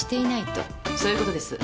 そういうことです。